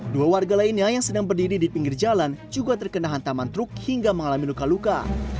dua warga lainnya yang sedang berdiri di pinggir jalan juga terkena hantaman truk hingga mengalami luka luka